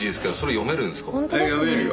読めるよ。